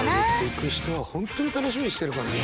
行く人は本当に楽しみにしてるからね。